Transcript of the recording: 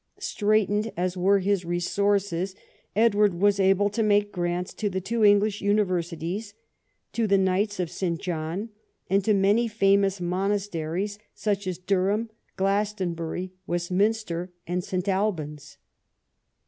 Straitened as were his resources, Edward was able to make grants to the two p]nglish universities, to the Knights of St. John, and to many famous monasteries, such as Durham, Grlaston])ury, Westminster, and St. Alban's.